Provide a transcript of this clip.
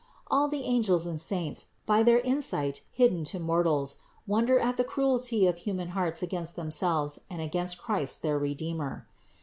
All the angels and saints, by an insight hidden to mortals, wonder at the cruelty of human hearts against themselves and against Christ their Redeemer.